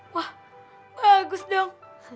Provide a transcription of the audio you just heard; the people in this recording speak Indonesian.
wah bagus dong